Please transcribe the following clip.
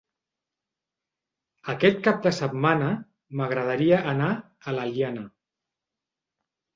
Aquest cap de setmana m'agradaria anar a l'Eliana.